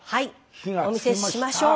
お見せしましょう。